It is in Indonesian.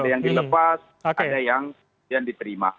ada yang dilepas ada yang diterima